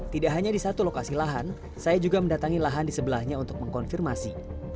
tidak hanya di satu lokasi lahan saya juga mendatangi lahan di sebelahnya untuk mengkonfirmasi